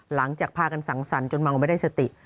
หลังจากพากันสังสรรคจนเมาไม่ได้สติ